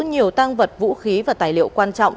nhiều tăng vật vũ khí và tài liệu quan trọng